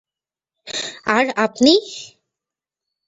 আর আপনি?